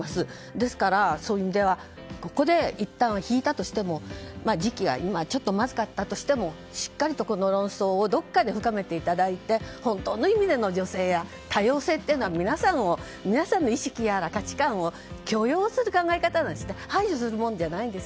ですから、そういう意味ではここでいったん引いたとしても時期が今はちょっとまずかったとしてもしっかりとこの論争をどこかで深めていただいて本当の意味での女性や多様性というのは皆さんの意識や価値観を強要する考え方じゃなくて排除するものじゃないんです。